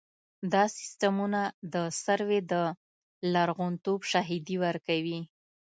دا سیستمونه د سروې د لرغونتوب شاهدي ورکوي